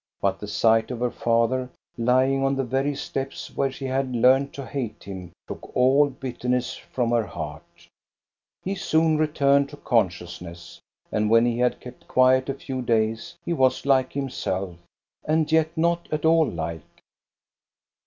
But the sight of her father lying on the very steps where she had learnt to hate him took all bitterness from her heart He soon returned to consciousness, and when he had kept quiet a few days, he was like himself — and yet not at all like.